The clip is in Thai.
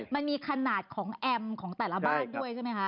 มันมีขนาดของแอมป์ของแต่ละบ้านด้วยใช่ไหมคะ